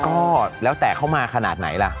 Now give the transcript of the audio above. ก็แล้วแต่เขามาขนาดไหนล่ะ